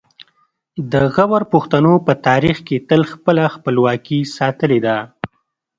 د غور پښتنو په تاریخ کې تل خپله خپلواکي ساتلې ده